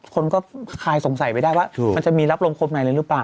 คนก็คลายสงสัยไปได้ว่ามันจะมีรับลงครบในอะไรหรือเปล่า